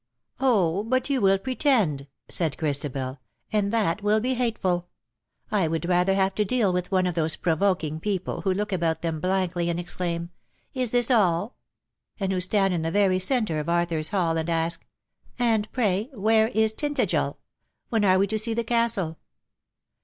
" Oh, but you will pretend," said Christabel, " and that will be hateful ! I would rather have to deal with one of those provoking people who look about them blankly, and exclaim, ^ Is this all?' TINTAGEL, HALF IN SEA, AND HALF ON LAND." 7'3< and who stand in the very centre of Arthur^s Hall, and ask, ^ And, pray, where is Tintagel ?— when are we to see the castle